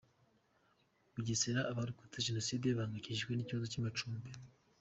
Bugesera Abarokotse jenoside bahangayikishijwe n’ikibazo cy’amacumbi